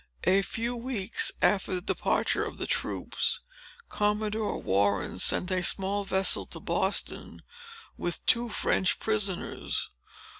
A few weeks after the departure of the troops, Commodore Warren sent a small vessel to Boston, with two French prisoners.